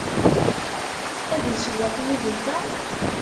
Ad isewweq yid-nteɣ?